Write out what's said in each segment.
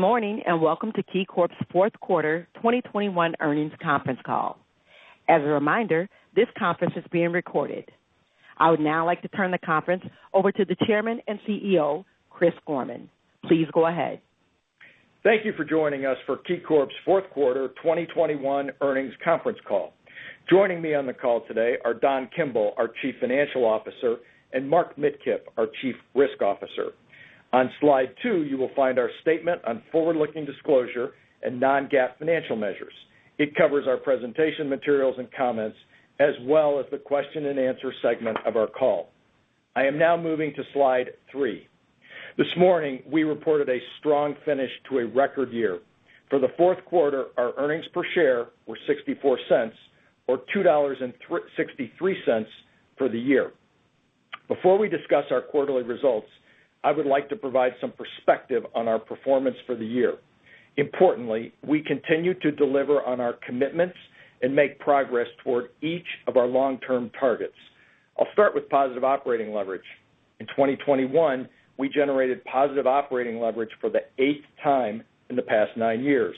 Morning, and welcome to KeyCorp's fourth quarter 2021 earnings conference call. As a reminder, this conference is being recorded. I would now like to turn the conference over to the Chairman and CEO, Chris Gorman. Please go ahead. Thank you for joining us for KeyCorp's fourth quarter 2021 earnings conference call. Joining me on the call today are Don Kimble, our Chief Financial Officer, and Mark Midkiff, our Chief Risk Officer. On slide two, you will find our statement on forward-looking disclosure and non-GAAP financial measures. It covers our presentation materials and comments as well as the question-and-answer segment of our call. I am now moving to slide three. This morning, we reported a strong finish to a record year. For the fourth quarter, our earnings per share were $0.64, or $2.63 for the year. Before we discuss our quarterly results, I would like to provide some perspective on our performance for the year. Importantly, we continue to deliver on our commitments and make progress toward each of our long-term targets. I'll start with positive operating leverage. In 2021, we generated positive operating leverage for the eighth time in the past nine years.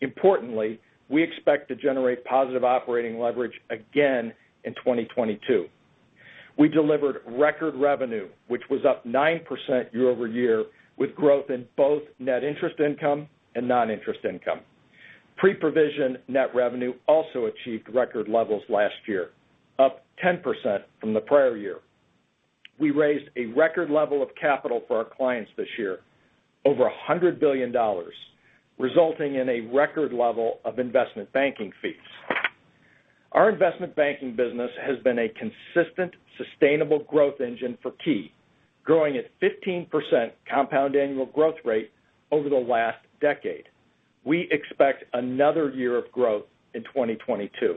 Importantly, we expect to generate positive operating leverage again in 2022. We delivered record revenue, which was up 9% year-over-year, with growth in both net interest income and non-interest income. Pre-provision net revenue also achieved record levels last year, up 10% from the prior year. We raised a record level of capital for our clients this year, over $100 billion, resulting in a record level of investment banking fees. Our investment banking business has been a consistent, sustainable growth engine for Key, growing at 15% compound annual growth rate over the last decade. We expect another year of growth in 2022.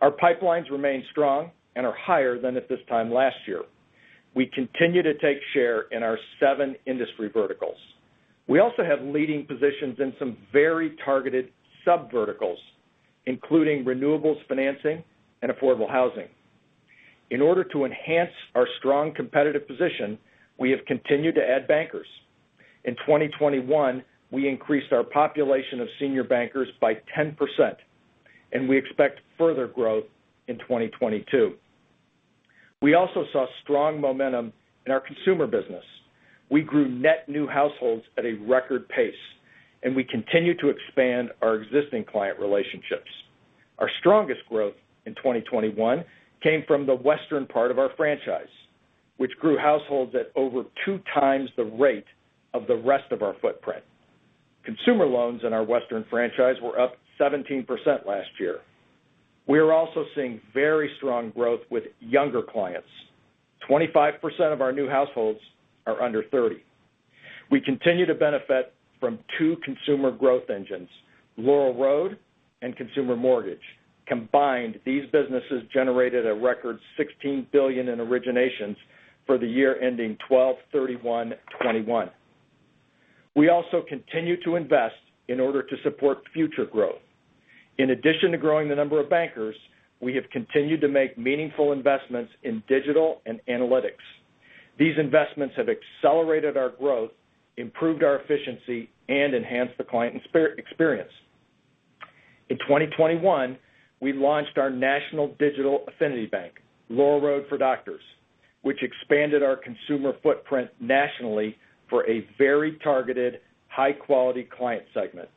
Our pipelines remain strong and are higher than at this time last year. We continue to take share in our seven industry verticals. We also have leading positions in some very targeted sub-verticals, including renewables financing and affordable housing. In order to enhance our strong competitive position, we have continued to add bankers. In 2021, we increased our population of senior bankers by 10%, and we expect further growth in 2022. We also saw strong momentum in our consumer business. We grew net new households at a record pace, and we continue to expand our existing client relationships. Our strongest growth in 2021 came from the western part of our franchise, which grew households at over two times the rate of the rest of our footprint. Consumer loans in our western franchise were up 17% last year. We are also seeing very strong growth with younger clients. 25% of our new households are under 30. We continue to benefit from two consumer growth engines, Laurel Road and Consumer Mortgage. Combined, these businesses generated a record $16 billion in originations for the year ending 12/31/2021. We also continue to invest in order to support future growth. In addition to growing the number of bankers, we have continued to make meaningful investments in digital and analytics. These investments have accelerated our growth, improved our efficiency, and enhanced the client experience. In 2021, we launched our national digital affinity bank, Laurel Road for Doctors, which expanded our consumer footprint nationally for a very targeted, high-quality client segment.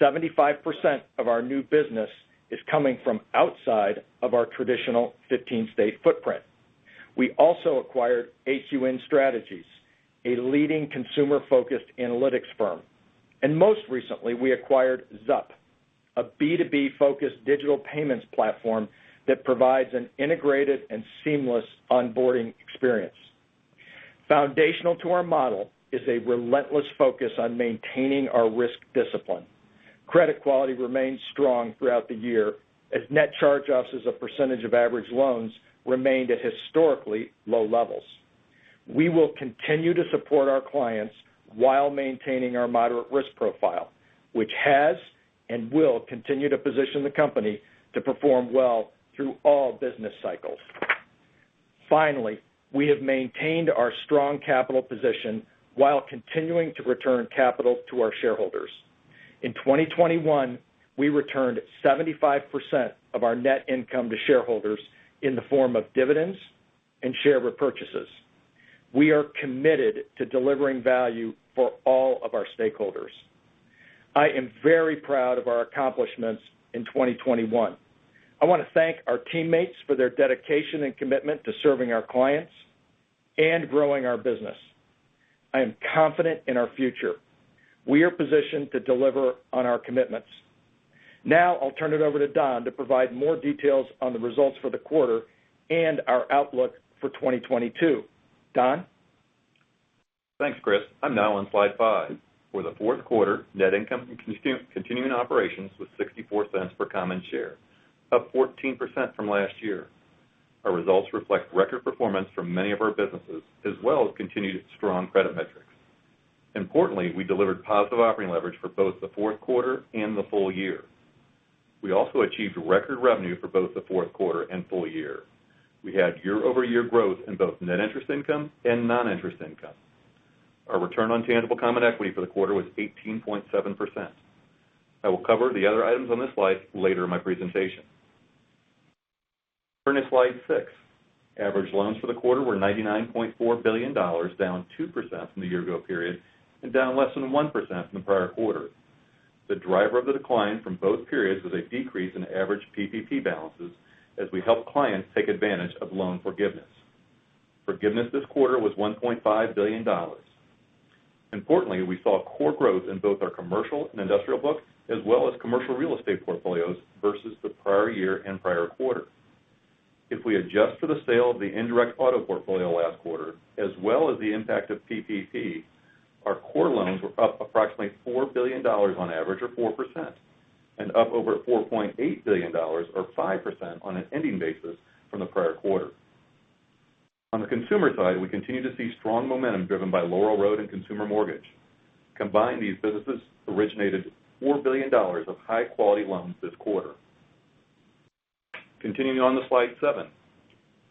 75% of our new business is coming from outside of our traditional 15-state footprint. We also acquired AQN Strategies, a leading consumer-focused analytics firm. Most recently, we acquired XUP, a B2B-focused digital payments platform that provides an integrated and seamless onboarding experience. Foundational to our model is a relentless focus on maintaining our risk discipline. Credit quality remained strong throughout the year as net charge-offs as a percentage of average loans remained at historically low levels. We will continue to support our clients while maintaining our moderate risk profile, which has and will continue to position the company to perform well through all business cycles. Finally, we have maintained our strong capital position while continuing to return capital to our shareholders. In 2021, we returned 75% of our net income to shareholders in the form of dividends and share repurchases. We are committed to delivering value for all of our stakeholders. I am very proud of our accomplishments in 2021. I want to thank our teammates for their dedication and commitment to serving our clients and growing our business. I am confident in our future. We are positioned to deliver on our commitments. Now I'll turn it over to Don to provide more details on the results for the quarter and our outlook for 2022. Don? Thanks, Chris. I'm now on slide five. For the fourth quarter, net income from continuing operations was $0.64 per common share, up 14% from last year. Our results reflect record performance from many of our businesses as well as continued strong credit metrics. Importantly, we delivered positive operating leverage for both the fourth quarter and the full year. We also achieved record revenue for both the fourth quarter and full year. We had year-over-year growth in both net interest income and non-interest income. Our return on tangible common equity for the quarter was 18.7%. I will cover the other items on this slide later in my presentation. Turning to slide six. Average loans for the quarter were $99.4 billion, down 2% from the year ago period and down less than 1% from the prior quarter. The driver of the decline from both periods was a decrease in average PPP balances as we helped clients take advantage of loan forgiveness. Forgiveness this quarter was $1.5 billion. Importantly, we saw core growth in both our commercial and industrial book, as well as commercial real estate portfolios versus the prior year and prior quarter. If we adjust for the sale of the indirect auto portfolio last quarter, as well as the impact of PPP, our core loans were up approximately $4 billion on average or 4%, and up over $4.8 billion or 5% on an ending basis from the prior quarter. On the consumer side, we continue to see strong momentum driven by Laurel Road and Consumer Mortgage. Combined, these businesses originated $4 billion of high-quality loans this quarter. Continuing on to slide seven.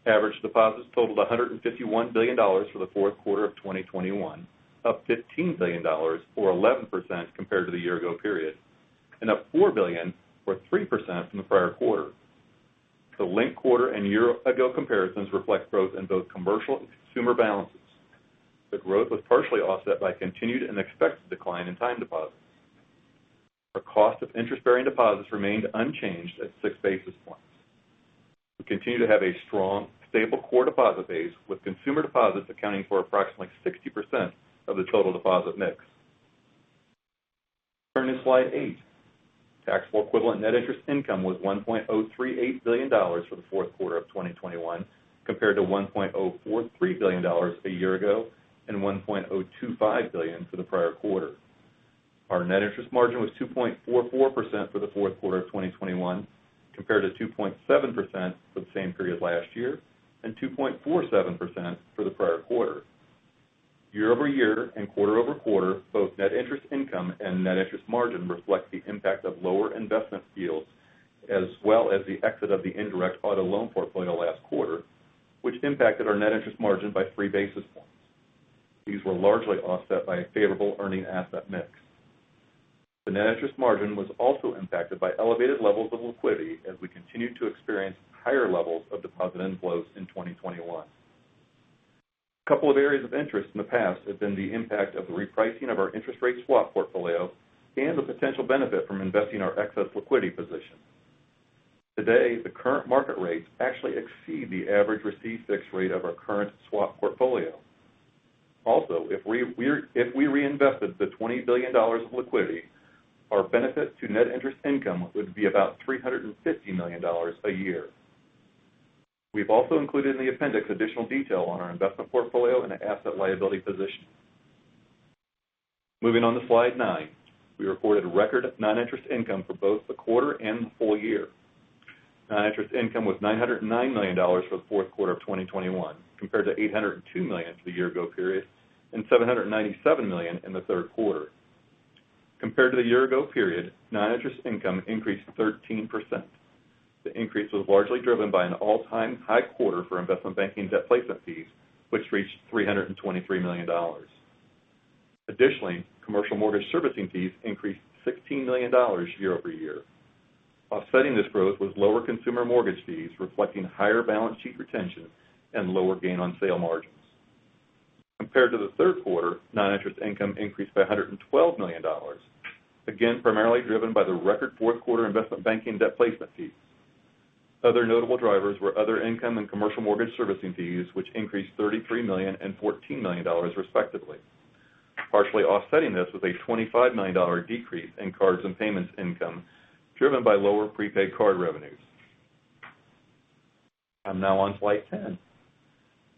Average deposits totaled $151 billion for the fourth quarter of 2021, up $15 billion or 11% compared to the year ago period, and up $4 billion or 3% from the prior quarter. The linked quarter and year ago comparisons reflect growth in both commercial and consumer balances. The growth was partially offset by continued and expected decline in time deposits. Our cost of interest-bearing deposits remained unchanged at six basis points. We continue to have a strong, stable core deposit base, with consumer deposits accounting for approximately 60% of the total deposit mix. Turning to slide eight. Taxable equivalent net interest income was $1.038 billion for the fourth quarter of 2021 compared to $1.043 billion a year ago and $1.025 billion for the prior quarter. Our net interest margin was 2.44% for the fourth quarter of 2021 compared to 2.7% for the same period last year and 2.47% for the prior quarter. Year-over-year and quarter-over-quarter, both net interest income and net interest margin reflect the impact of lower investment yields, as well as the exit of the indirect auto loan portfolio last quarter, which impacted our net interest margin by three basis points. These were largely offset by a favorable earning asset mix. The net interest margin was also impacted by elevated levels of liquidity as we continued to experience higher levels of deposit inflows in 2021. A couple of areas of interest in the past have been the impact of the repricing of our interest rate swap portfolio and the potential benefit from investing our excess liquidity position. Today, the current market rates actually exceed the average received fixed rate of our current swap portfolio. Also, if we reinvested the $20 billion of liquidity, our benefit to net interest income would be about $350 million a year. We've also included in the appendix additional detail on our investment portfolio and asset liability position. Moving on to slide nine. We reported record non-interest income for both the quarter and the full year. Non-interest income was $909 million for the fourth quarter of 2021 compared to $802 million the year ago period, and $797 million in the third quarter. Compared to the year ago period, non-interest income increased 13%. The increase was largely driven by an all-time high quarter for investment banking debt placement fees, which reached $323 million. Additionally, commercial mortgage servicing fees increased $16 million year-over-year. Offsetting this growth was lower consumer mortgage fees, reflecting higher balance sheet retention and lower gain on sale margins. Compared to the third quarter, non-interest income increased by $112 million, again, primarily driven by the record fourth quarter investment banking debt placement fees. Other notable drivers were other income and commercial mortgage servicing fees, which increased $33 million and $14 million respectively. Partially offsetting this was a $25 million decrease in cards and payments income driven by lower prepaid card revenues. I'm now on slide 10.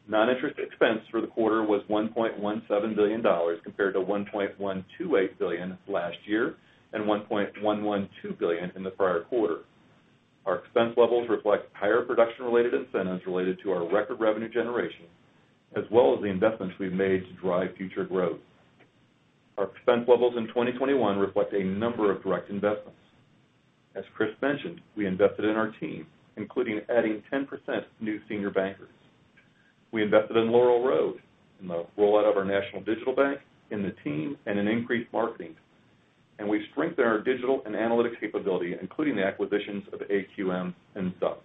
Non-interest expense for the quarter was $1.17 billion compared to $1.128 billion last year and $1.112 billion in the prior quarter. Our expense levels reflect higher production-related incentives related to our record revenue generation, as well as the investments we've made to drive future growth. Our expense levels in 2021 reflect a number of direct investments. As Chris mentioned, we invested in our team, including adding 10% new senior bankers. We invested in Laurel Road, in the rollout of our national digital bank, in the team, and in increased marketing. We strengthened our digital and analytic capability, including the acquisitions of AQN and XUP.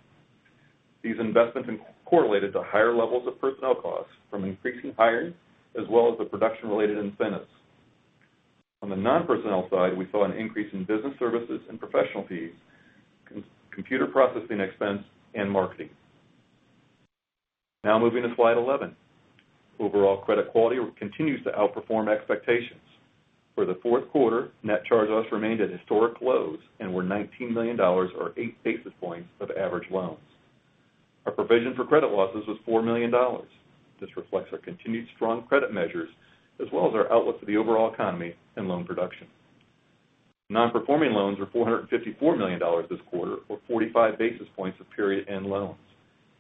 These investments correlated to higher levels of personnel costs from increasing hiring as well as the production-related incentives. On the non-personnel side, we saw an increase in business services and professional fees, computer processing expense, and marketing. Now moving to slide 11. Overall credit quality continues to outperform expectations. For the fourth quarter, net charge-offs remained at historic lows and were $19 million or eight basis points of average loans. Our provision for credit losses was $4 million. This reflects our continued strong credit measures as well as our outlook for the overall economy and loan production. Non-performing loans were $454 million this quarter or 45 basis points of period end loans,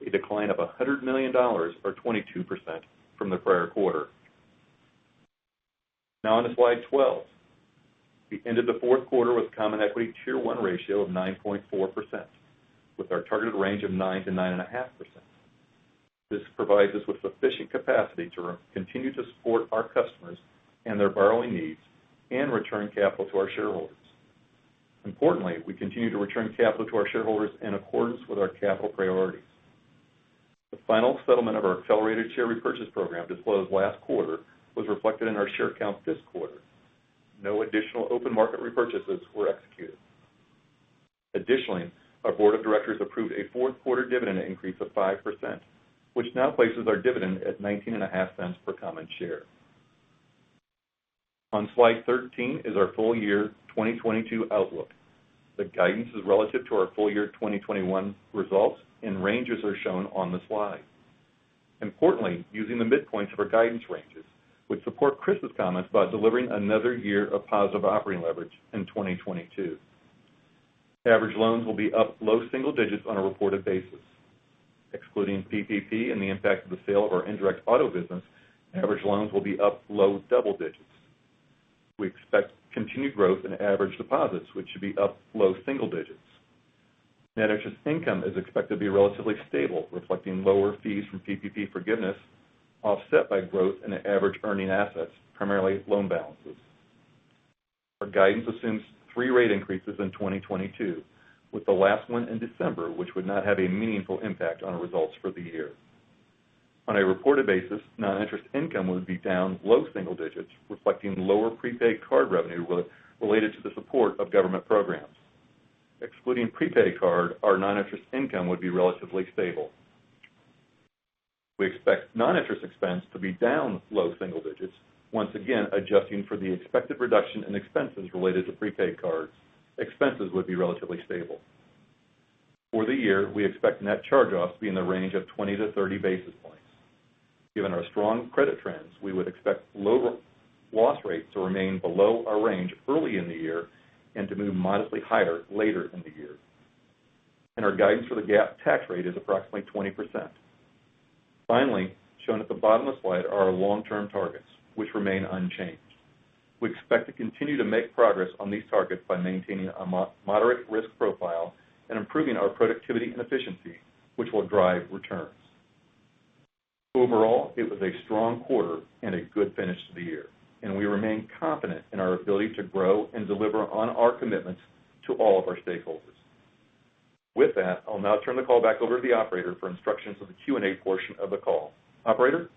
a decline of $100 million or 22% from the prior quarter. Now on to slide 12. We ended the fourth quarter with Common Equity Tier 1 ratio of 9.4%, with our targeted range of 9%-9.5%. This provides us with sufficient capacity to continue to support our customers and their borrowing needs and return capital to our shareholders. Importantly, we continue to return capital to our shareholders in accordance with our capital priorities. The final settlement of our accelerated share repurchase program disclosed last quarter was reflected in our share count this quarter. No additional open market repurchases were executed. Additionally, our board of directors approved a fourth quarter dividend increase of 5%, which now places our dividend at $0.195 per common share. On slide 13 is our full year 2022 outlook. The guidance is relative to our full year 2021 results, and ranges are shown on the slide. Importantly, using the midpoints of our guidance ranges would support Chris's comments by delivering another year of positive operating leverage in 2022. Average loans will be up low single digits on a reported basis. Excluding PPP and the impact of the sale of our indirect auto business, average loans will be up low double digits. We expect continued growth in average deposits, which should be up low single digits. Net interest income is expected to be relatively stable, reflecting lower fees from PPP forgiveness, offset by growth in the average earning assets, primarily loan balances. Our guidance assumes three rate increases in 2022, with the last one in December, which would not have a meaningful impact on our results for the year. On a reported basis, non-interest income would be down low single digits, reflecting lower prepaid card revenue related to the support of government programs. Excluding prepaid card, our non-interest income would be relatively stable. We expect non-interest expense to be down low single digits. Once again, adjusting for the expected reduction in expenses related to prepaid cards, expenses would be relatively stable. For the year, we expect net charge-offs to be in the range of 20-30 basis points. Given our strong credit trends, we would expect low loss rates to remain below our range early in the year and to move modestly higher later in the year. Our guidance for the GAAP tax rate is approximately 20%. Finally, shown at the bottom of the slide are our long-term targets, which remain unchanged. We expect to continue to make progress on these targets by maintaining a moderate risk profile and improving our productivity and efficiency, which will drive returns. Overall, it was a strong quarter and a good finish to the year, and we remain confident in our ability to grow and deliver on our commitments to all of our stakeholders. With that, I'll now turn the call back over to the operator for instructions for the Q&A portion of the call. Operator?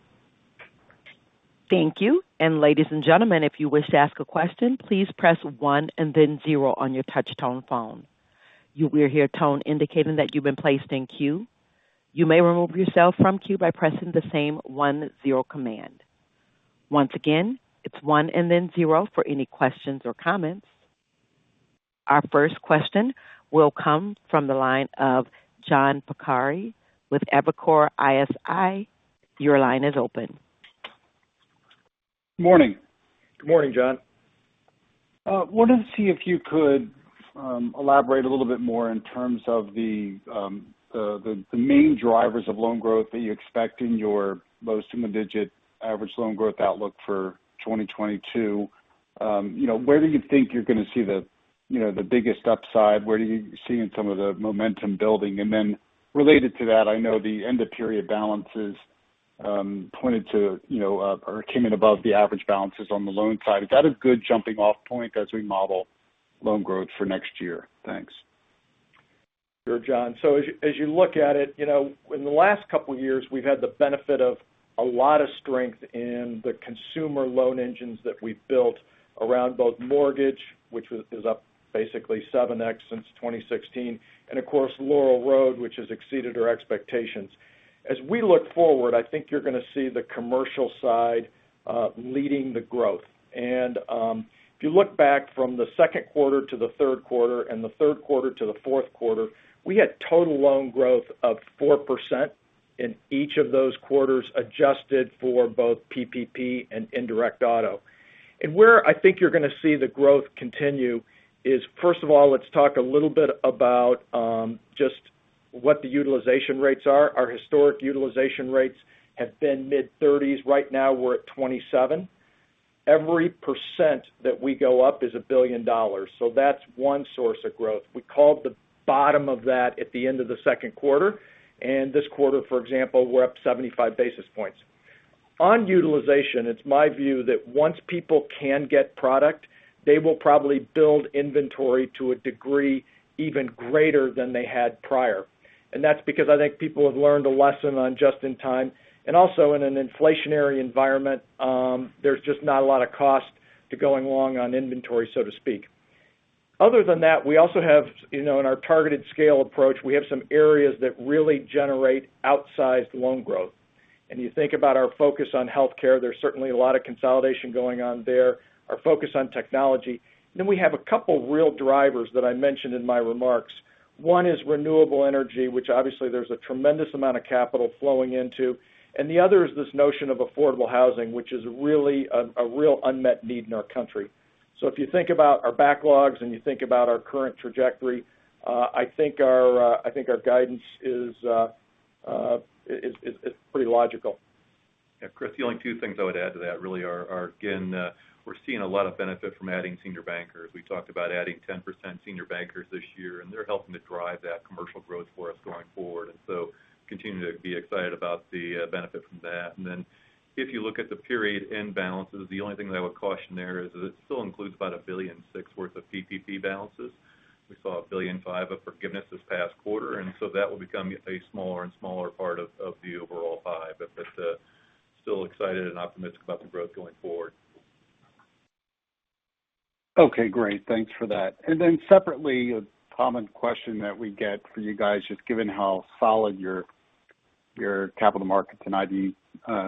Thank you. Ladies and gentlemen, if you wish to ask a question, please press one and then zero on your touch-tone phone. You will hear a tone indicating that you've been placed in queue. You may remove yourself from queue by pressing the same one-zero command. Once again, it's one and then zero for any questions or comments. Our first question will come from the line of John Pancari with Evercore ISI. Your line is open. Morning. Good morning, John. I wanted to see if you could elaborate a little bit more in terms of the main drivers of loan growth that you expect in your low single digit average loan growth outlook for 2022. You know, where do you think you're gonna see the biggest upside? Where do you see some of the momentum building? Then related to that, I know the end of period balances pointed to, you know, or came in above the average balances on the loan side. Is that a good jumping off point as we model loan growth for next year? Thanks. Sure, John. As you look at it, you know, in the last couple years, we've had the benefit of a lot of strength in the consumer loan engines that we've built around both mortgage, which is up basically 7x since 2016, and of course, Laurel Road, which has exceeded our expectations. As we look forward, I think you're gonna see the commercial side leading the growth. If you look back from the second quarter to the third quarter and the third quarter to the fourth quarter, we had total loan growth of 4% in each of those quarters, adjusted for both PPP and indirect auto. Where I think you're gonna see the growth continue is, first of all, let's talk a little bit about just what the utilization rates are. Our historic utilization rates have been mid-30s. Right now, we're at 27. Every 1% that we go up is $1 billion. That's one source of growth. We called the bottom of that at the end of the second quarter. This quarter, for example, we're up 75 basis points. On utilization, it's my view that once people can get product, they will probably build inventory to a degree even greater than they had prior. That's because I think people have learned a lesson on just in time. Also, in an inflationary environment, there's just not a lot of cost to going along on inventory, so to speak. Other than that, we also have, you know, in our targeted scale approach, we have some areas that really generate outsized loan growth. You think about our focus on healthcare, there's certainly a lot of consolidation going on there, our focus on technology. And then we have a couple real drivers that I mentioned in my remarks. One is renewable energy, which obviously there's a tremendous amount of capital flowing into. The other is this notion of affordable housing, which is really a real unmet need in our country. If you think about our backlogs and you think about our current trajectory, I think our guidance is pretty logical. Yeah, Chris, the only two things I would add to that really are again, we're seeing a lot of benefit from adding senior bankers. We talked about adding 10% senior bankers this year, and they're helping to drive that commercial growth for us going forward. Continue to be excited about the benefit from that. Then if you look at the period end balances, the only thing that I would caution there is that it still includes about $1.6 billion worth of PPP balances. We saw $1.5 billion of forgiveness this past quarter, and so that will become a smaller and smaller part of the overall five. Still excited and optimistic about the growth going forward. Okay, great. Thanks for that. And then separately, a common question that we get for you guys, just given how solid your capital markets and IB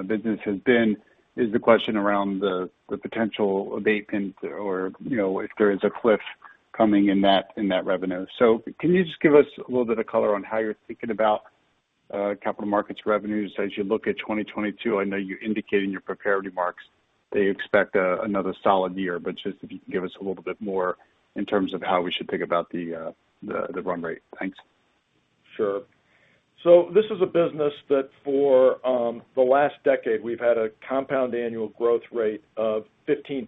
business has been, is the question around the potential abatement or, you know, if there is a cliff coming in that revenue. Can you just give us a little bit of color on how you're thinking about capital markets revenues as you look at 2022? I know you indicated in your prepared remarks that you expect another solid year. Just if you can give us a little bit more in terms of how we should think about the run rate. Thanks. Sure. This is a business that for the last decade, we've had a compound annual growth rate of 15%.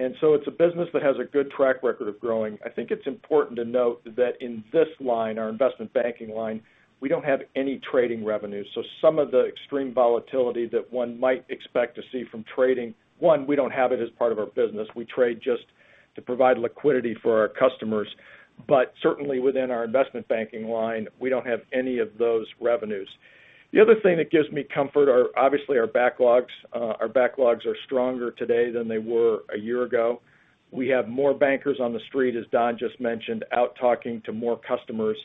It's a business that has a good track record of growing. I think it's important to note that in this line, our investment banking line, we don't have any trading revenues. Some of the extreme volatility that one might expect to see from trading, one, we don't have it as part of our business. We trade just to provide liquidity for our customers. Certainly within our investment banking line, we don't have any of those revenues. The other thing that gives me comfort are obviously our backlogs. Our backlogs are stronger today than they were a year ago. We have more bankers on the street, as Don just mentioned, out talking to more customers.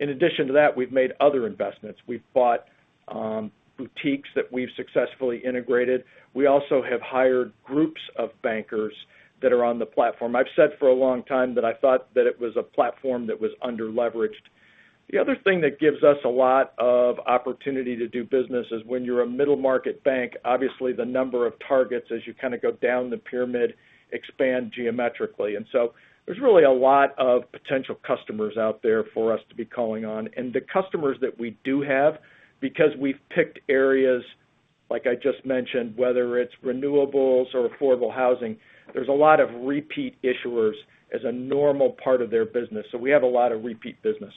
In addition to that, we've made other investments. We've bought boutiques that we've successfully integrated. We also have hired groups of bankers that are on the platform. I've said for a long time that I thought that it was a platform that was under-leveraged. The other thing that gives us a lot of opportunity to do business is when you're a middle market bank, obviously the number of targets as you kind of go down the pyramid expand geometrically. There's really a lot of potential customers out there for us to be calling on. The customers that we do have, because we've picked areas, like I just mentioned, whether it's renewables or affordable housing, there's a lot of repeat issuers as a normal part of their business. We have a lot of repeat business.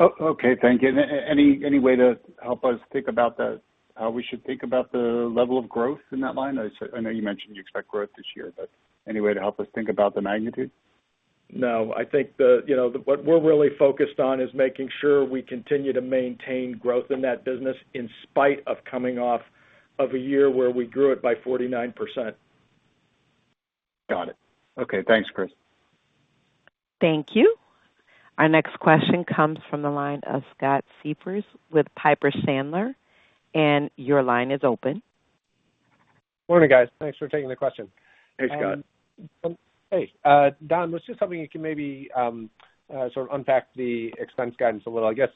Okay, thank you. Any way to help us think about how we should think about the level of growth in that line? I know you mentioned you expect growth this year, but any way to help us think about the magnitude? No. I think what we're really focused on is making sure we continue to maintain growth in that business in spite of coming off of a year where we grew it by 49%. Got it. Okay. Thanks, Chris. Thank you. Our next question comes from the line of Scott Siefers with Piper Sandler. Your line is open. Morning, guys. Thanks for taking the question. Hey, Scott. Hey. Don, was just hoping you can maybe sort of unpack the expense guidance a little. I guess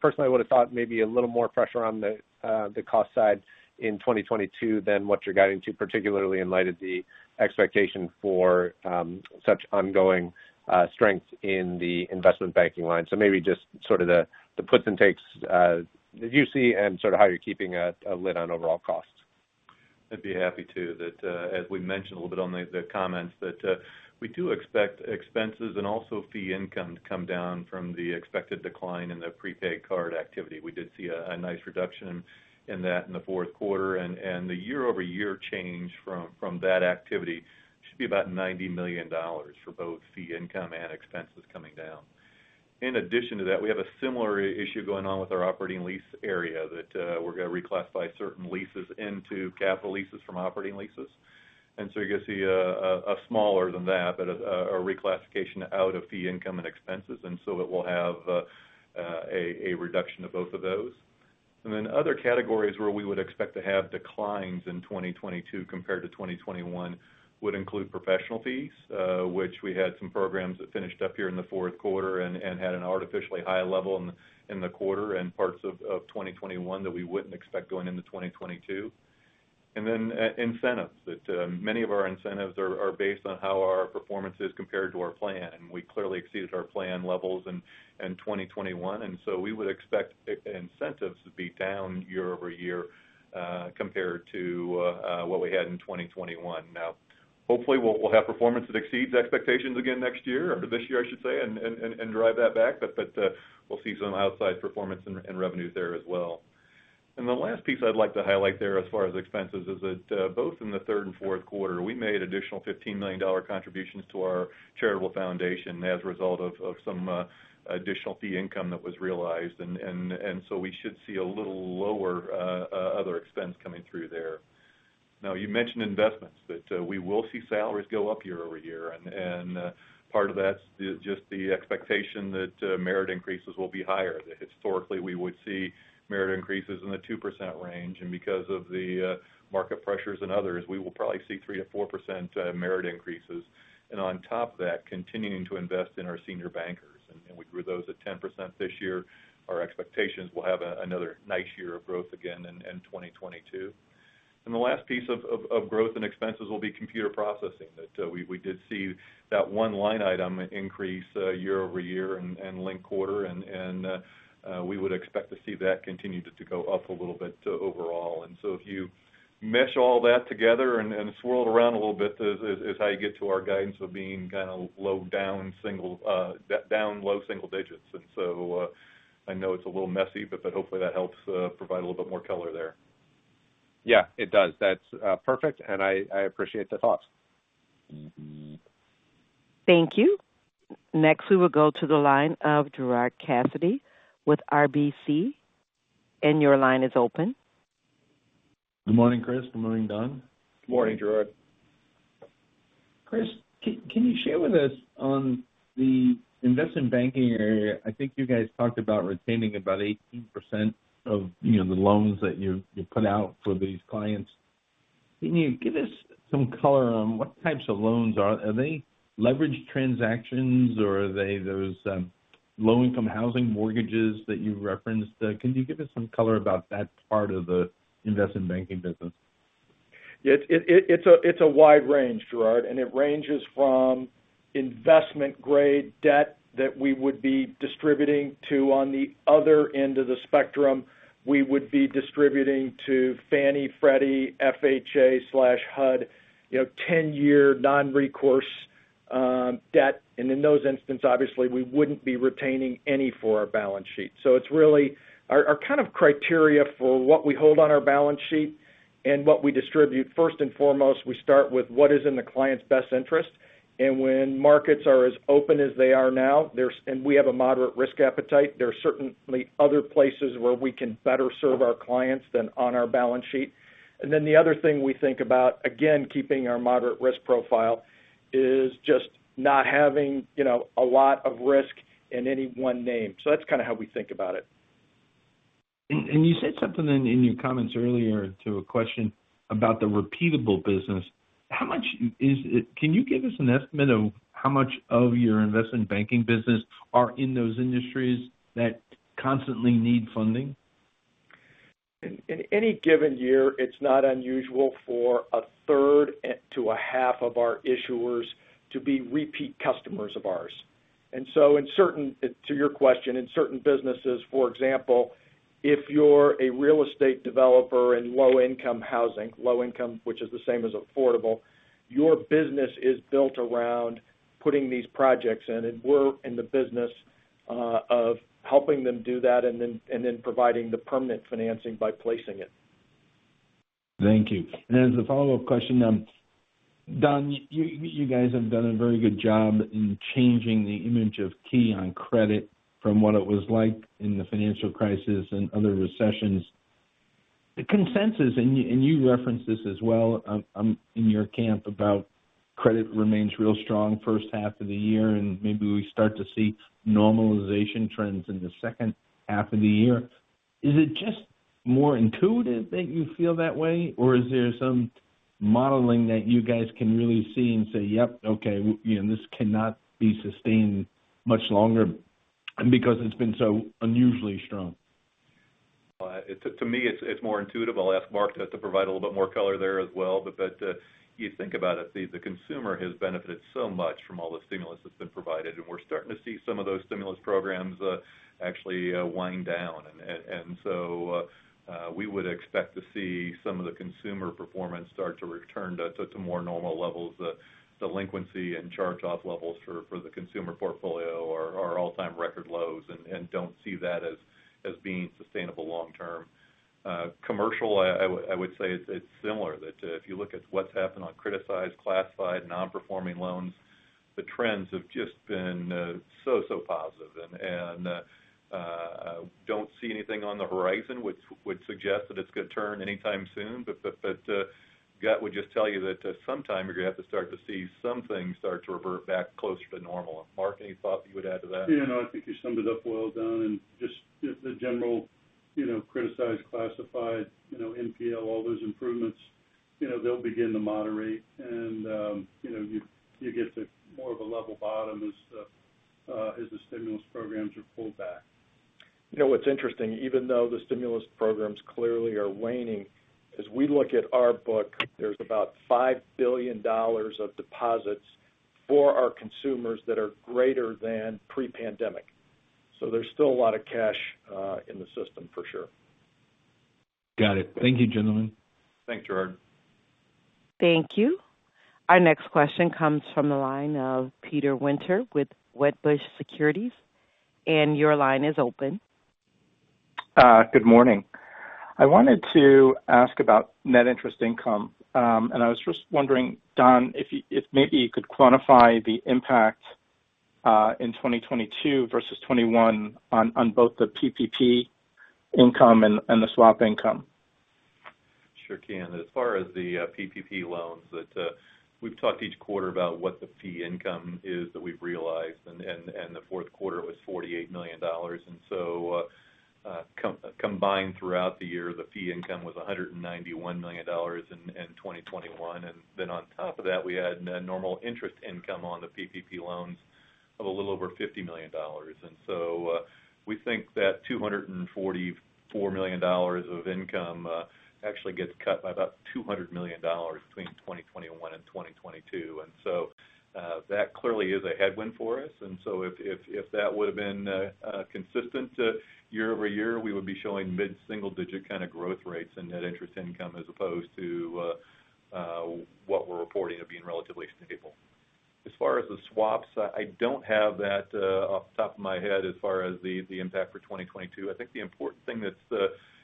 personally, I would have thought maybe a little more pressure on the cost side in 2022 than what you're guiding to, particularly in light of the expectation for such ongoing strength in the investment banking line. Maybe just sort of the puts and takes that you see and sort of how you're keeping a lid on overall costs. I'd be happy to. That, as we mentioned a little bit on the comments that we do expect expenses and also fee income to come down from the expected decline in the prepaid card activity. We did see a nice reduction in that in the fourth quarter. The year-over-year change from that activity should be about $90 million for both fee income and expenses coming down. In addition to that, we have a similar issue going on with our operating lease area that we're going to reclassify certain leases into capital leases from operating leases. You're going to see a smaller than that, but a reclassification out of fee income and expenses. It will have a reduction of both of those. Other categories where we would expect to have declines in 2022 compared to 2021 would include professional fees, which we had some programs that finished up here in the fourth quarter and had an artificially high level in the quarter and parts of 2021 that we wouldn't expect going into 2022. Incentives, that many of our incentives are based on how our performance is compared to our plan. We clearly exceeded our plan levels in 2021, and so we would expect incentives to be down year-over-year compared to what we had in 2021. Now, hopefully, we'll have performance that exceeds expectations again next year or this year, I should say, and drive that back. We'll see some outsized performance in revenues there as well. The last piece I'd like to highlight there as far as expenses is that both in the third and fourth quarter, we made additional $15 million contributions to our charitable foundation as a result of some additional fee income that was realized. We should see a little lower other expense coming through there. Now, you mentioned investments, that we will see salaries go up year-over-year. Part of that's just the expectation that merit increases will be higher. Historically, we would see merit increases in the 2% range. Because of the market pressures and others, we will probably see 3%-4% merit increases. On top of that, continuing to invest in our senior bankers. We grew those at 10% this year. Our expectations, we'll have another nice year of growth again in 2022. And the last piece of growth and expenses will be computer processing that we did see that one line item increase year-over-year and we would expect to see that continue to go up a little bit overall. If you mesh all that together and swirl it around a little bit, is how you get to our guidance of being kind of low down single, down low single digits. I know it's a little messy, but hopefully that helps provide a little bit more color there. Yeah, it does. That's perfect, and I appreciate the thoughts. Thank you. Next, we will go to the line of Gerard Cassidy with RBC. Your line is open. Good morning, Chris. Good morning, Don. Good morning, Gerard. Chris, can you share with us on the investment banking area? I think you guys talked about retaining about 18% of, you know, the loans that you put out for these clients. Can you give us some color on what types of loans are they leveraged transactions or are they those low-income housing mortgages that you referenced? Can you give us some color about that part of the investment banking business? Yeah, it's a wide range, Gerard, and it ranges from investment-grade debt that we would be distributing to, on the other end of the spectrum, we would be distributing to Fannie, Freddie, FHA/HUD, you know, ten-year non-recourse debt. In those instances, obviously we wouldn't be retaining any for our balance sheet. It's really our kind of criteria for what we hold on our balance sheet and what we distribute. First and foremost, we start with what is in the client's best interest. When markets are as open as they are now, and we have a moderate risk appetite, there are certainly other places where we can better serve our clients than on our balance sheet. The other thing we think about, again, keeping our moderate risk profile, is just not having, you know, a lot of risk in any one name. That's kind of how we think about it. You said something in your comments earlier to a question about the repeatable business. How much is it? Can you give us an estimate of how much of your investment banking business are in those industries that constantly need funding? In any given year, it's not unusual for a 1/3 to a 1/2 of our issuers to be repeat customers of ours. To your question, in certain businesses, for example, if you're a real estate developer in low-income housing, which is the same as affordable, your business is built around putting these projects in. We're in the business of helping them do that and then providing the permanent financing by placing it. Thank you. As a follow-up question, Don, you guys have done a very good job in changing the image of Key on credit from what it was like in the financial crisis and other recessions. The consensus, and you referenced this as well, in your comments about credit remains really strong first half of the year, and maybe we start to see normalization trends in the second half of the year. Is it just more intuitive that you feel that way, or is there some modeling that you guys can really see and say, "Yep, okay, you know, this cannot be sustained much longer because it's been so unusually strong? To me, it's more intuitive. I'll ask Mark to provide a little bit more color there as well. You think about it. The consumer has benefited so much from all the stimulus that's been provided, and we're starting to see some of those stimulus programs, actually, wind down. So we would expect to see some of the consumer performance start to return to more normal levels. The delinquency and charge-off levels for the consumer portfolio are all-time record lows and don't see that as being sustainable long term. Commercial, I would say it's similar if you look at what's happened on criticized, classified, non-performing loans, the trends have just been so positive and I don't see anything on the horizon which would suggest that it's going to turn anytime soon. Gut would just tell you that sometime you're going to have to start to see some things start to revert back closer to normal. Mark, any thought you would add to that? You know, I think you summed it up well, Don, and just the general, you know, criticized, classified, you know, NPL, all those improvements, you know, they'll begin to moderate and, you know, you get to more of a level bottom as the stimulus programs are pulled back. You know, it's interesting. Even though the stimulus programs clearly are waning, as we look at our book, there's about $5 billion of deposits for our consumers that are greater than pre-pandemic. There's still a lot of cash in the system for sure. Got it. Thank you, gentlemen. Thanks, Gerard. Thank you. Our next question comes from the line of Peter Winter with Wedbush Securities. Your line is open. Good morning. I wanted to ask about net interest income. I was just wondering, Don, if maybe you could quantify the impact in 2022 versus 2021 on both the PPP income and the swap income. Sure can. As far as the PPP loans that we've talked each quarter about what the fee income is that we've realized, and the fourth quarter was $48 million. Combined throughout the year, the fee income was $191 million in 2021. On top of that, we had net nominal interest income on the PPP loans of a little over $50 million. We think that $244 million of income actually gets cut by about $200 million between 2021 and 2022. That clearly is a headwind for us. If that would've been consistent to year-over-year, we would be showing mid-single digit kind of growth rates in net interest income as opposed to what we're reporting of being relatively stable. As far as the swaps, I don't have that off the top of my head as far as the impact for 2022. I think the important thing that's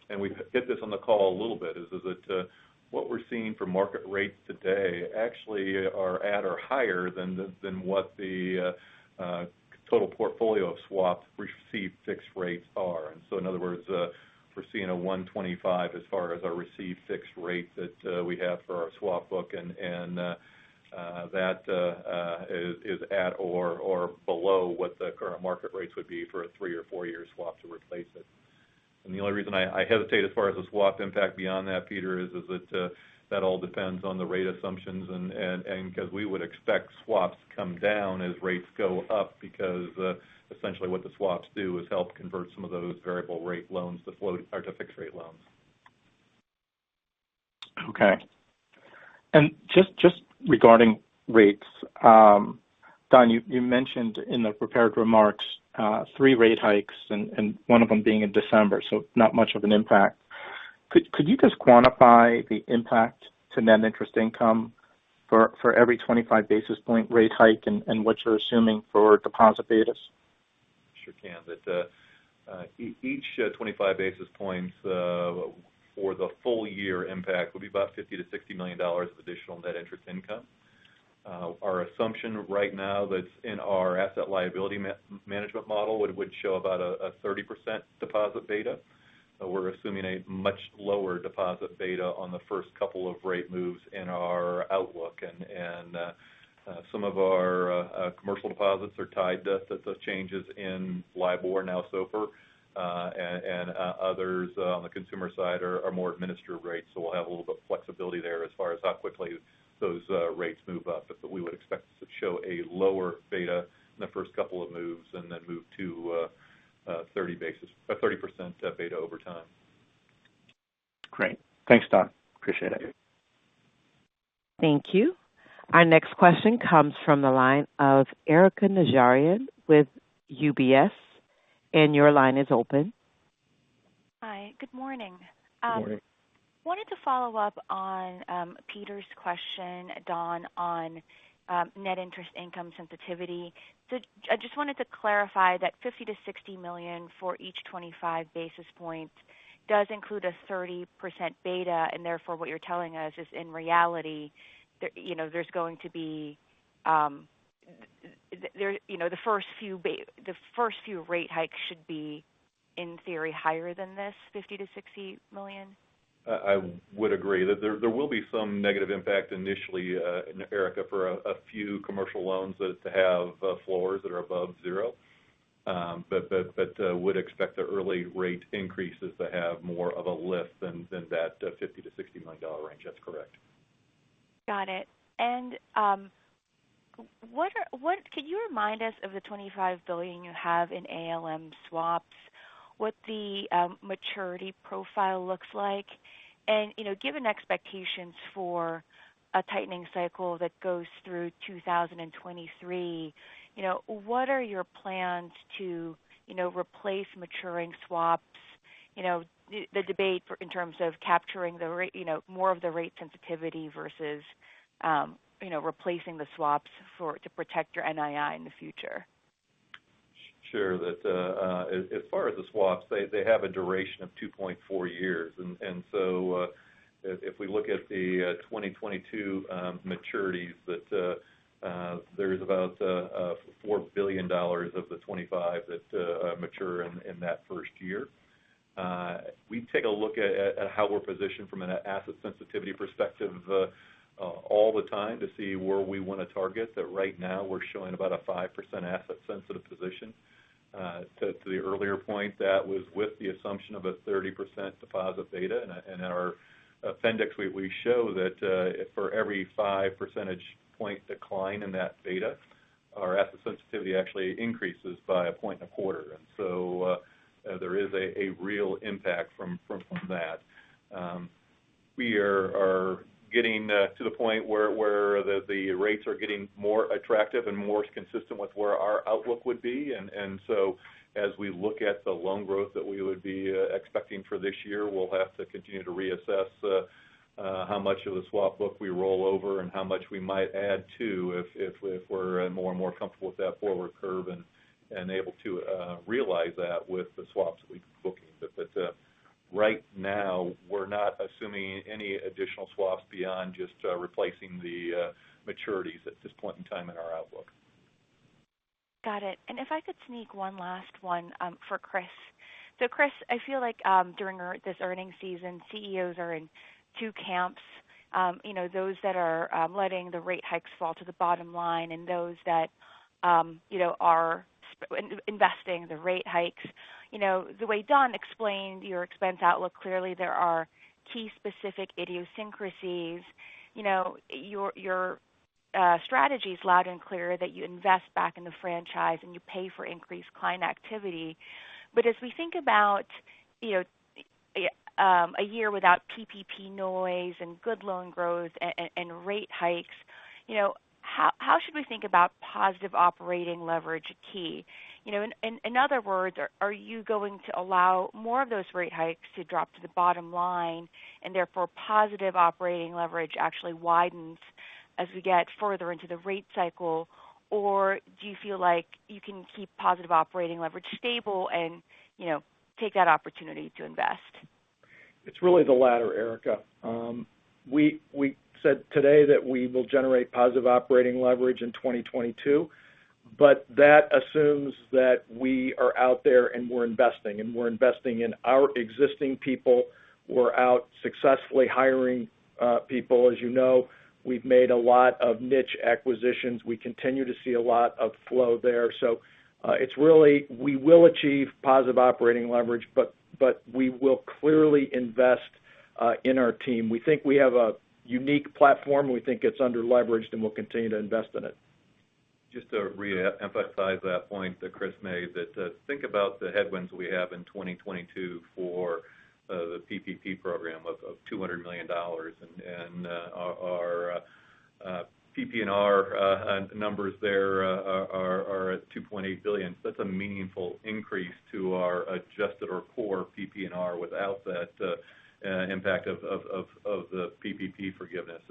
and we hit this on the call a little bit is that what we're seeing for market rates today actually are at or higher than what the total portfolio of swaps received fixed rates are. In other words, we're seeing 1.25% as far as our received fixed rate that we have for our swap book. That is at or below what the current market rates would be for a three or four-year swap to replace it. The only reason I hesitate as far as the swap impact beyond that, Peter, is that all depends on the rate assumptions and 'cause we would expect swaps to come down as rates go up because essentially what the swaps do is help convert some of those variable-rate loans to float or to fixed-rate loans. Okay. Just regarding rates, Don, you mentioned in the prepared remarks, three rate hikes and one of them being in December, so not much of an impact. Could you just quantify the impact to net interest income for every 25 basis point rate hike and what you're assuming for deposit betas? Sure can. That each 25 basis points for the full year impact will be about $50 million-$60 million of additional net interest income. Our assumption right now that's in our asset liability management model would show about a 30% deposit beta. We're assuming a much lower deposit beta on the first couple of rate moves in our outlook. Some of our commercial deposits are tied to the changes in LIBOR, now SOFR. Others on the consumer side are more administered rates, so we'll have a little bit of flexibility there as far as how quickly those rates move up. We would expect to show a lower beta in the first couple of moves and then move to 30% beta over time. Great. Thanks, Don. Appreciate it. Thank you. Thank you. Our next question comes from the line of Erika Najarian with UBS. Your line is open. Hi. Good morning. Good morning. Wanted to follow up on Peter's question, Don, on net interest income sensitivity. I just wanted to clarify that $50 million-$60 million for each 25 basis points does include a 30% beta, and therefore what you're telling us is in reality there, you know, there's going to be, there, you know, the first few rate hikes should be, in theory, higher than this $50 million-$60 million? I would agree. There will be some negative impact initially, Erika, for a few commercial loans that have floors that are above zero. But would expect the early rate increases to have more of a lift than that $50 million-$60 million range. That's correct. Got it. What can you remind us of the $25 billion you have in ALM swaps, what the maturity profile looks like? You know, given expectations for a tightening cycle that goes through 2023, you know, what are your plans to, you know, replace maturing swaps? You know, the debate in terms of capturing the rate sensitivity versus, you know, replacing the swaps to protect your NII in the future. Sure. That as far as the swaps, they have a duration of 2.4 years. If we look at the 2022 maturities, there's about $4 billion of the 25 bps that mature in that first year. We take a look at how we're positioned from an asset sensitivity perspective all the time to see where we want to target. Right now we're showing about a 5% asset sensitive position. To the earlier point, that was with the assumption of a 30% deposit beta. In our appendix, we show that for every five percentage point decline in that beta, our asset sensitivity actually increases by a point and a quarter. There is a real impact from that. We are getting to the point where the rates are getting more attractive and more consistent with where our outlook would be. As we look at the loan growth that we would be expecting for this year, we'll have to continue to reassess how much of the swap book we roll over and how much we might add to if we're more and more comfortable with that forward curve and able to realize that with the swaps that we're booking. Right now we're not assuming any additional swaps beyond just replacing the maturities at this point in time in our outlook. Got it. If I could sneak one last one for Chris. Chris, I feel like during this earnings season, CEOs are in two camps. You know, those that are letting the rate hikes fall to the bottom line and those that, you know, are investing the rate hikes. You know, the way Don explained your expense outlook, clearly there are Key-specific idiosyncrasies. You know, your strategy is loud and clear that you invest back in the franchise, and you pay for increased client activity. As we think about, you know, a year without PPP noise and good loan growth and rate hikes, you know, how should we think about positive operating leverage Key? You know, in other words, are you going to allow more of those rate hikes to drop to the bottom line, and therefore, positive operating leverage actually widens as we get further into the rate cycle? Or do you feel like you can keep positive operating leverage stable and, you know, take that opportunity to invest? It's really the latter, Erika. We said today that we will generate positive operating leverage in 2022, but that assumes that we are out there and we're investing in our existing people. We're successfully hiring people. As you know, we've made a lot of niche acquisitions. We continue to see a lot of flow there. It's really we will achieve positive operating leverage, but we will clearly invest in our team. We think we have a unique platform. We think it's underleveraged, and we'll continue to invest in it. Just to re-emphasize that point that Chris made, think about the headwinds we have in 2022 for the PPP program of $200 million. Our PPNR numbers there are at $2.8 billion. That's a meaningful increase to our adjusted or core PPNR without that impact of the PPP forgiveness.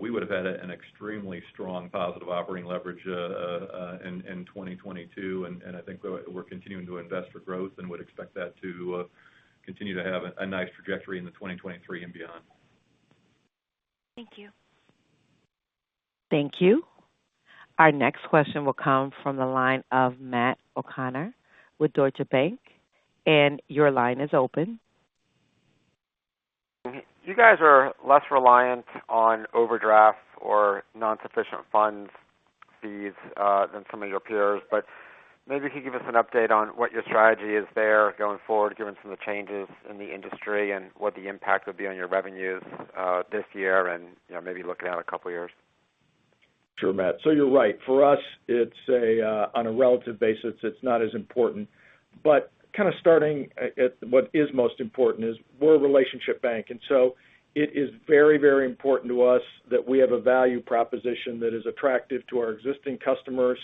We would have had an extremely strong positive operating leverage in 2022. I think we're continuing to invest for growth and would expect that to continue to have a nice trajectory into 2023 and beyond. Thank you. Thank you. Our next question will come from the line of Matt O'Connor with Deutsche Bank. Your line is open. You guys are less reliant on overdraft or non-sufficient funds fees than some of your peers. Maybe you could give us an update on what your strategy is there going forward, given some of the changes in the industry and what the impact would be on your revenues this year and, you know, maybe looking out a couple of years. Sure, Matt. You're right. For us, it's on a relative basis, it's not as important. Kind of starting with what is most important is we're a relationship bank, and so it is very important to us that we have a value proposition that is attractive to our existing customers,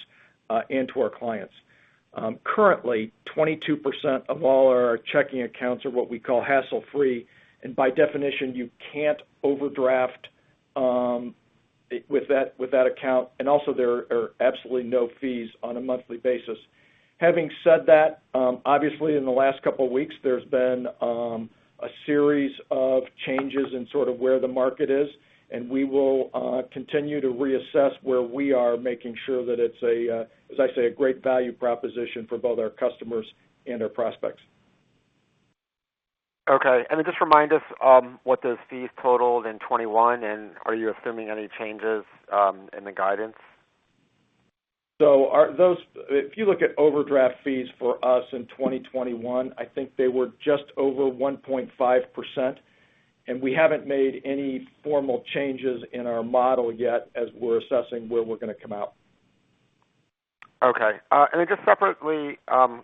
and to our clients. Currently, 22% of all our checking accounts are what we call hassle free. By definition, you can't overdraft with that account. Also, there are absolutely no fees on a monthly basis. Having said that, obviously in the last couple of weeks, there's been a series of changes in sort of where the market is, and we will continue to reassess where we are making sure that it's a, as I say, a great value proposition for both our customers and our prospects. Just remind us what those fees totaled in 2021, and are you assuming any changes in the guidance? If you look at overdraft fees for us in 2021, I think they were just over 1.5%, and we haven't made any formal changes in our model yet as we're assessing where we're going to come out. Okay. Just separately,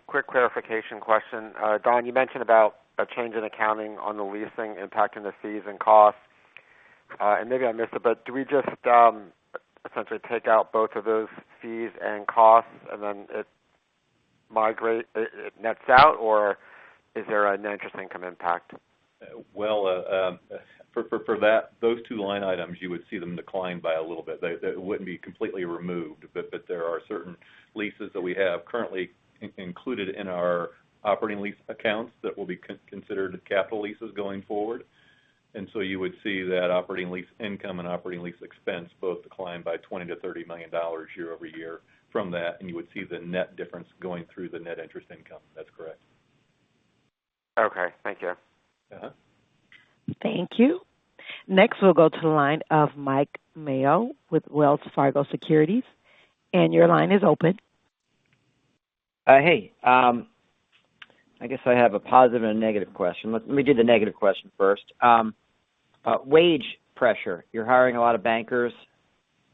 quick clarification question. Don, you mentioned about a change in accounting on the leasing impacting the fees and costs. Maybe I missed it, but do we just essentially take out both of those fees and costs and then it nets out or is there a net interest income impact? Well, for those two line items, you would see them decline by a little bit. They wouldn't be completely removed, but there are certain leases that we have currently included in our operating lease accounts that will be considered capital leases going forward. You would see that operating lease income and operating lease expense both decline by $20 million-$30 million year-over-year from that, and you would see the net difference going through the net interest income. That's correct. Okay. Thank you. Uh-huh. Thank you. Next, we'll go to the line of Mike Mayo with Wells Fargo Securities. Your line is open. Hey. I guess I have a positive and a negative question. Let me do the negative question first. Wage pressure. You're hiring a lot of bankers.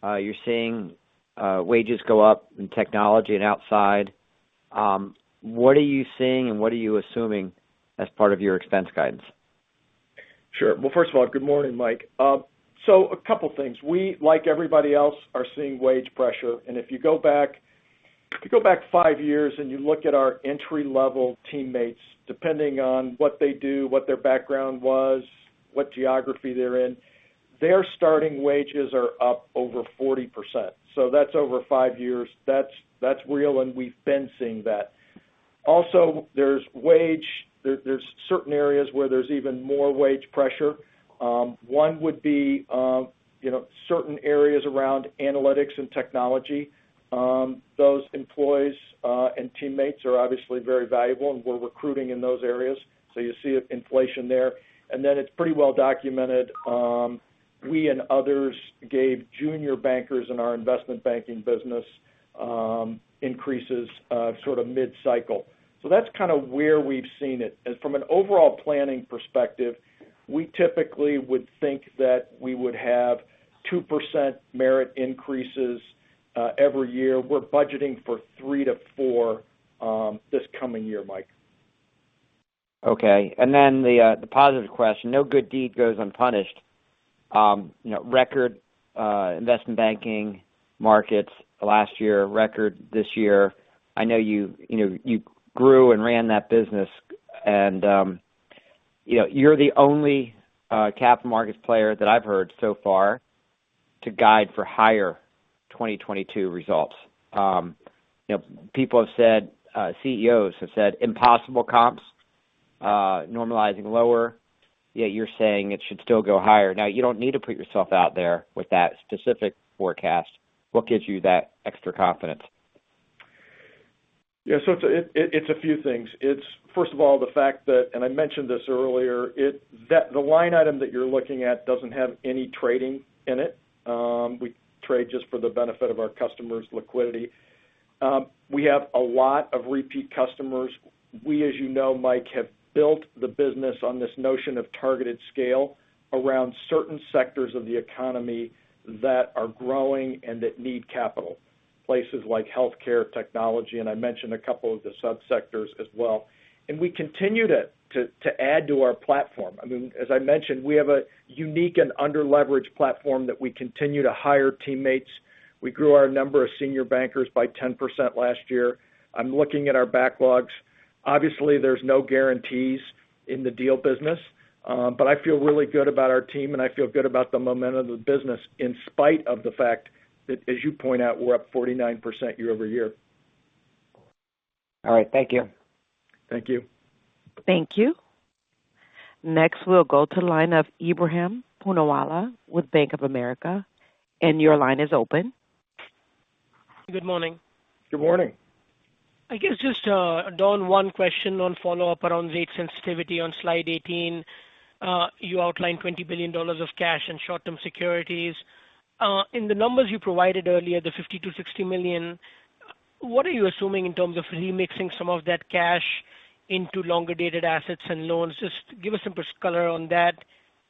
You're seeing wages go up in technology and outside. What are you seeing and what are you assuming as part of your expense guidance? Sure. Well, first of all, good morning, Mike. A couple things. We, like everybody else, are seeing wage pressure. If you go back five years and you look at our entry-level teammates, depending on what they do, what their background was, what geography they're in, their starting wages are up over 40%. That's over five years. That's real, and we've been seeing that. Also, there's certain areas where there's even more wage pressure. One would be certain areas around analytics and technology. Those employees and teammates are obviously very valuable, and we're recruiting in those areas. You see inflation there. It's pretty well documented, we and others gave junior bankers in our investment banking business increases sort of mid-cycle. That's kind of where we've seen it. From an overall planning perspective, we typically would think that we would have 2% merit increases every year. We're budgeting for 3%-4% this coming year, Mike. Okay. And then the positive question. No good deed goes unpunished. You know, record investment banking markets last year, record this year. I know you've you know, you grew and ran that business. You know, you're the only capital markets player that I've heard so far to guide for higher 2022 results. You know, people have said CEOs have said impossible comps, normalizing lower, yet you're saying it should still go higher. Now, you don't need to put yourself out there with that specific forecast. What gives you that extra confidence? It's a few things. It's first of all the fact that I mentioned this earlier, that the line item that you're looking at doesn't have any trading in it. We trade just for the benefit of our customers' liquidity. We have a lot of repeat customers. As you know, Mike, we have built the business on this notion of targeted scale around certain sectors of the economy that are growing and that need capital, places like healthcare, technology, and I mentioned a couple of the subsectors as well. We continue to add to our platform. I mean, as I mentioned, we have a unique and underleveraged platform that we continue to hire teammates. We grew our number of senior bankers by 10% last year. I'm looking at our backlogs. Obviously, there's no guarantees in the deal business, but I feel really good about our team, and I feel good about the momentum of the business in spite of the fact that, as you point out, we're up 49% year-over-year. All right. Thank you. Thank you. Thank you. Next, we'll go to the line of Ebrahim Poonawala with Bank of America. Your line is open. Good morning. Good morning. I guess just, Don, one question on follow-up around rate sensitivity on slide 18. You outlined $20 billion of cash and short-term securities. In the numbers you provided earlier, the $50 million-$60 million, what are you assuming in terms of remixing some of that cash into longer-dated assets and loans? Just give us some color on that.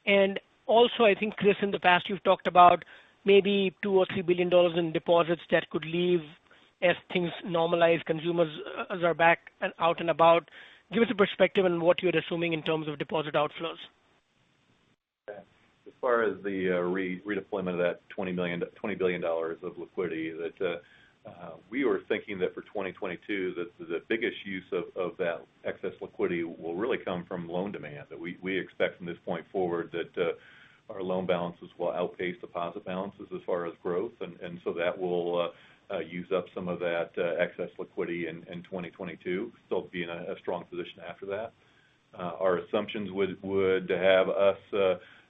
I think, Chris, in the past, you've talked about maybe $2 billion or $3 billion in deposits that could leave as things normalize, consumers are back out and about. Give us a perspective on what you're assuming in terms of deposit outflows. As far as the redeployment of that $20 billion of liquidity, we were thinking that for 2022, the biggest use of that excess liquidity will really come from loan demand. We expect from this point forward that our loan balances will outpace deposit balances as far as growth. That will use up some of that excess liquidity in 2022. We'll still be in a strong position after that. Our assumptions would have us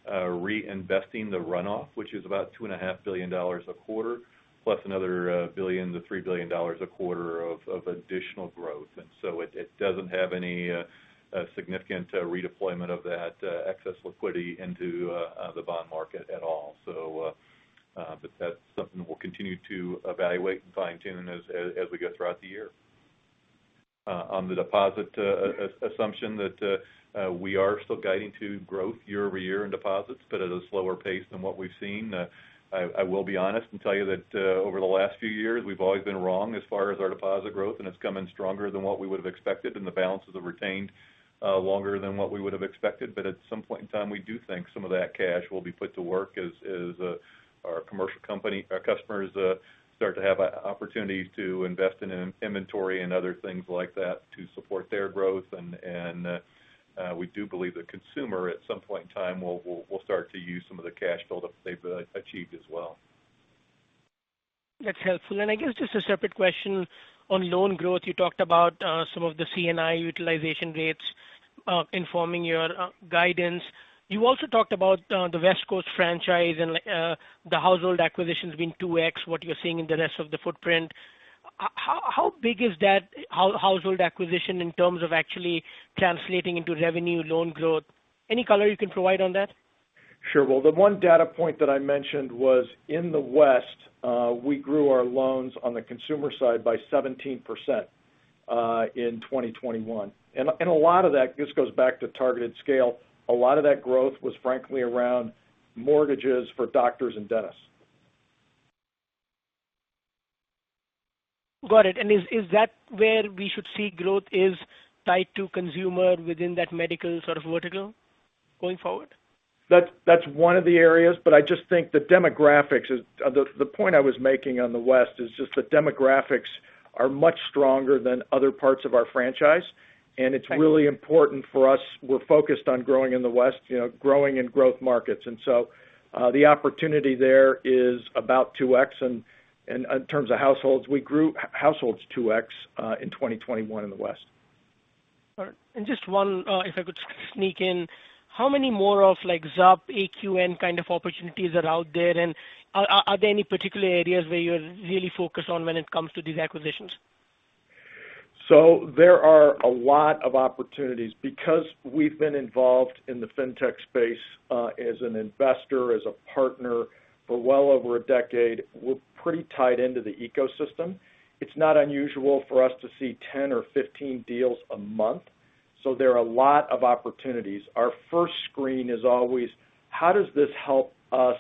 reinvesting the runoff, which is about $2.5 billion a quarter, plus another $1 billion-$3 billion a quarter of additional growth. It doesn't have any significant redeployment of that excess liquidity into the bond market at all. That's something we'll continue to evaluate and fine-tune as we go throughout the year. On the deposit assumption that we are still guiding to growth year-over-year in deposits, but at a slower pace than what we've seen. I will be honest and tell you that over the last few years, we've always been wrong as far as our deposit growth, and it's come in stronger than what we would have expected, and the balances have retained longer than what we would have expected. At some point in time, we do think some of that cash will be put to work as our customers start to have opportunities to invest in inventory and other things like that to support their growth. We do believe the consumer at some point in time will start to use some of the cash buildup they've achieved as well. That's helpful. I guess just a separate question on loan growth. You talked about some of the C&I utilization rates informing your guidance. You also talked about the West Coast franchise and the household acquisitions being 2x what you're seeing in the rest of the footprint. How big is that household acquisition in terms of actually translating into revenue, loan growth? Any color you can provide on that? Sure. Well, the one data point that I mentioned was in the West, we grew our loans on the consumer side by 17% in 2021. A lot of that just goes back to targeted scale. A lot of that growth was frankly around mortgages for doctors and dentists. Got it. Is that where we should see growth is tied to consumer within that medical sort of vertical going forward? That's one of the areas. I just think the point I was making on the West is just the demographics are much stronger than other parts of our franchise. It's really important for us. We're focused on growing in the West, you know, growing in growth markets. The opportunity there is about 2x. In terms of households, we grew households 2x in 2021 in the West. All right. Just one, if I could sneak in. How many more of like XUP, AQN kind of opportunities are out there? Are there any particular areas where you're really focused on when it comes to these acquisitions? There are a lot of opportunities. Because we've been involved in the fintech space, as an investor, as a partner for well over a decade, we're pretty tied into the ecosystem. It's not unusual for us to see 10 or 15 deals a month. There are a lot of opportunities. Our first screen is always, How does this help us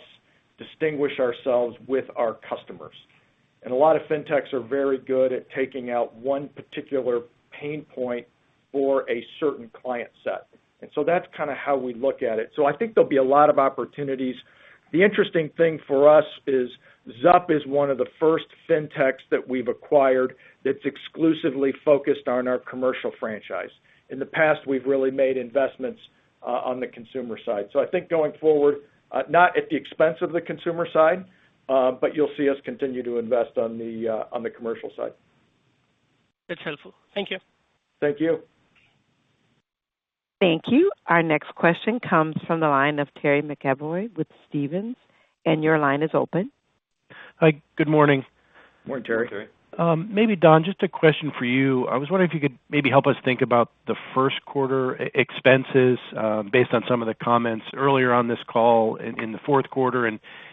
distinguish ourselves with our customers? A lot of fintechs are very good at taking out one particular pain point for a certain client set. That's kind of how we look at it. I think there'll be a lot of opportunities. The interesting thing for us is, XUP is one of the first fintechs that we've acquired that's exclusively focused on our commercial franchise. In the past, we've really made investments on the consumer side. I think going forward, not at the expense of the consumer side, but you'll see us continue to invest on the commercial side. That's helpful. Thank you. Thank you. Thank you. Our next question comes from the line of Terry McEvoy with Stephens, and your line is open. Hi, good morning. Morning, Terry. Morning, Terry. Maybe Don, just a question for you. I was wondering if you could maybe help us think about the first quarter expenses, based on some of the comments earlier on this call in the fourth quarter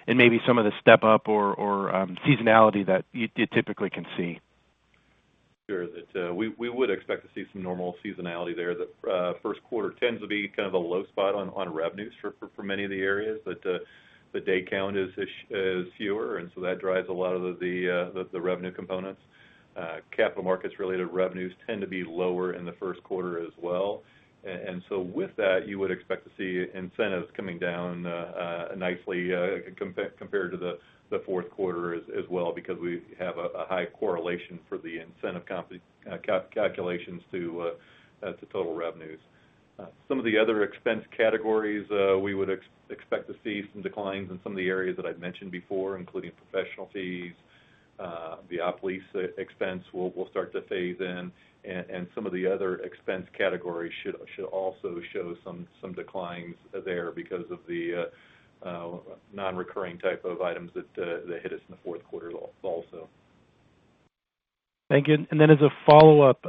and maybe some of the step up or seasonality that you typically can see. Sure. We would expect to see some normal seasonality there. The first quarter tends to be kind of a low spot on revenues for many of the areas that the day count is fewer, and so that drives a lot of the revenue components. Capital markets related revenues tend to be lower in the first quarter as well. With that, you would expect to see incentives coming down nicely compared to the fourth quarter as well, because we have a high correlation for the incentive calculations to total revenues. Some of the other expense categories, we would expect to see some declines in some of the areas that I'd mentioned before, including professional fees. The operating lease expense will start to phase in, and some of the other expense categories should also show some declines there because of the non-recurring type of items that hit us in the fourth quarter also. Thank you. Then as a follow-up,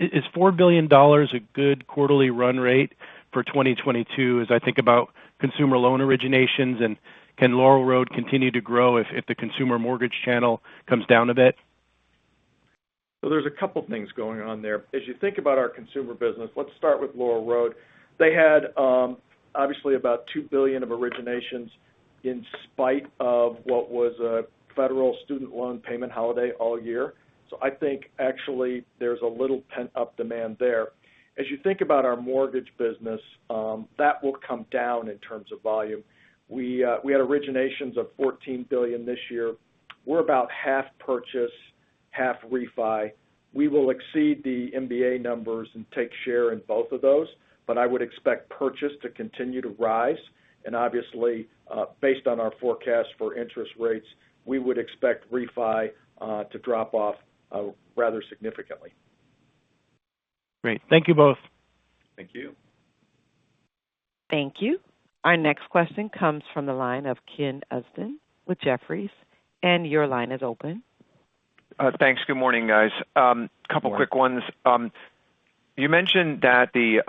is $4 billion a good quarterly run rate for 2022 as I think about consumer loan originations? Can Laurel Road continue to grow if the consumer mortgage channel comes down a bit? There's a couple things going on there. As you think about our consumer business, let's start with Laurel Road. They had obviously about $2 billion of originations in spite of what was a federal student loan payment holiday all year. I think actually there's a little pent-up demand there. As you think about our mortgage business, that will come down in terms of volume. We had originations of $14 billion this year. We're about half purchase, half refi. We will exceed the MBA numbers and take share in both of those, but I would expect purchase to continue to rise. Obviously, based on our forecast for interest rates, we would expect refi to drop off rather significantly. Great. Thank you both. Thank you. Thank you. Our next question comes from the line of Ken Usdin with Jefferies, and your line is open. Thanks. Good morning, guys. Couple quick ones. You mentioned that the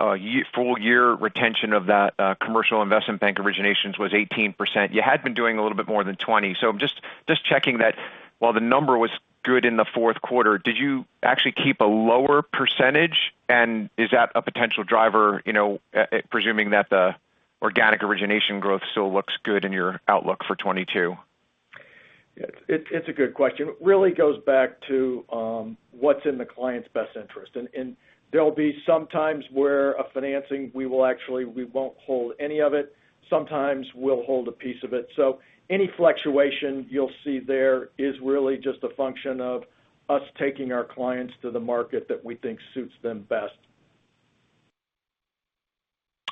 full-year retention of that commercial investment bank originations was 18%. You had been doing a little bit more than 20. Just checking that while the number was good in the fourth quarter, did you actually keep a lower percentage? Is that a potential driver, you know, presuming that the organic origination growth still looks good in your outlook for 2022? It's a good question. Really goes back to what's in the client's best interest. There'll be some times where a financing, we won't hold any of it. Sometimes we'll hold a piece of it. Any fluctuation you'll see there is really just a function of us taking our clients to the market that we think suits them best.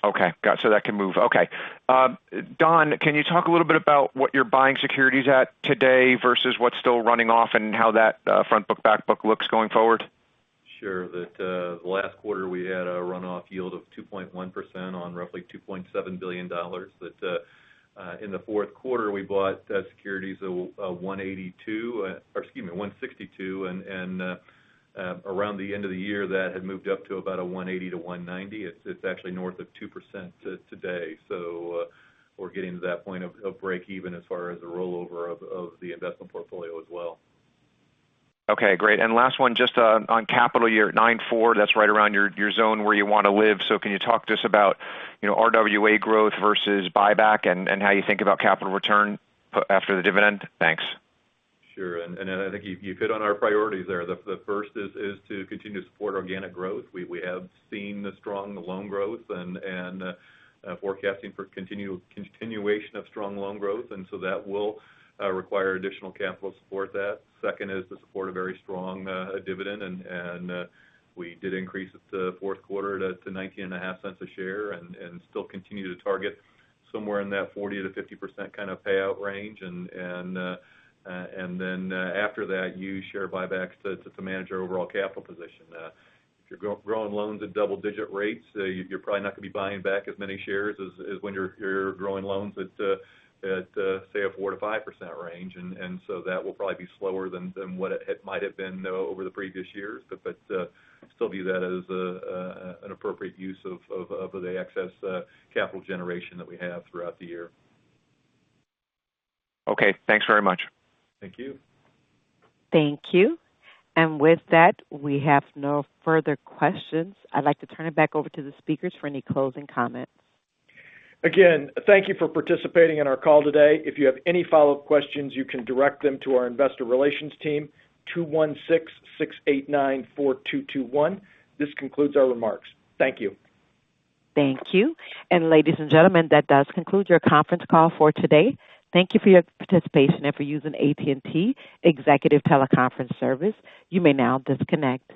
Okay. Got it. That can move. Okay. Don, can you talk a little bit about what you're buying securities at today versus what's still running off and how that front book, back book looks going forward? Sure. The last quarter, we had a runoff yield of 2.1% on roughly $2.7 billion. That, in the fourth quarter, we bought securities of 1.82%, or excuse me, 1.62%. Around the end of the year, that had moved up to about 1.80%-1.90%. It's actually north of 2% today. We're getting to that point of breakeven as far as the rollover of the investment portfolio as well. Okay. Great. Last one, just on capital. You're at 9.4%. That's right around your zone where you wanna live. Can you talk to us about, you know, RWA growth versus buyback and how you think about capital return after the dividend? Thanks. Sure. I think you hit on our priorities there. The first is to continue to support organic growth. We have seen the strong loan growth and forecasting for continuation of strong loan growth. That will require additional capital to support that. Second is to support a very strong dividend. We did increase it the fourth quarter to $19.5 a share and still continue to target somewhere in that 40%-50% kind of payout range. After that, use share buybacks to manage our overall capital position. If you're growing loans at double-digit rates, you're probably not gonna be buying back as many shares as when you're growing loans at, say, a 4%-5% range. So that will probably be slower than what it might have been over the previous years. We still view that as an appropriate use of the excess capital generation that we have throughout the year. Okay, thanks very much. Thank you. Thank you. With that, we have no further questions. I'd like to turn it back over to the speakers for any closing comments. Again, thank you for participating in our call today. If you have any follow-up questions, you can direct them to our investor relations team, 216-689-4221. This concludes our remarks. Thank you. Thank you. Ladies and gentlemen, that does conclude your conference call for today. Thank you for your participation and for using AT&T Executive Teleconference Service. You may now disconnect.